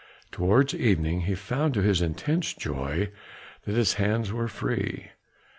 Towards evening he found to his intense joy that his hands were free.